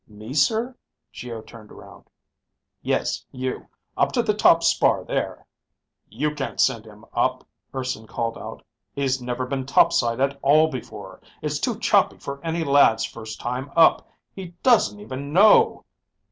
"Me, sir?" Geo turned around. "Yes, you, up to the top spar there." "You can't send him up," Urson called out. "He's never been topside at all before. It's too choppy for any lad's first time up. He doesn't even know